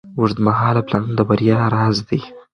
اوږدمهاله پلانونه د بریا راز دی.